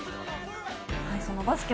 そのバスケ